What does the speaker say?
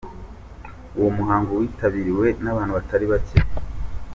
Uwo muhango witabiriwe n'abantu batari bake.